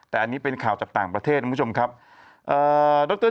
แต่อันนี้เป็นข่าวจากต่างประเทศคุณผู้ชมครับเอ่อดร